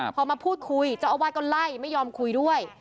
พอมาพูดคุยเจ้าอาวาสก็ไล่ไม่ยอมคุยด้วย